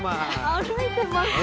歩いてます。